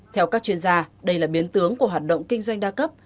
theo các chuyên gia đây là biến tướng của hoạt động kinh doanh đa cấp